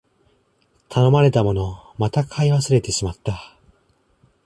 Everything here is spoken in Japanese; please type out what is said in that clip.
頼まれたもの、また買い忘れてしまった